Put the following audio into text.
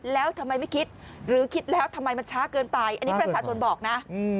แล้วทำไมไม่คิดหรือคิดแล้วทำไมมันช้าเกินไปอันนี้ประชาชนบอกนะ